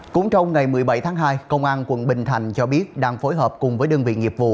cũng trong ngày một mươi bảy tháng hai công an quận bình thành cho biết đang phối hợp cùng với đơn vị nghiệp vụ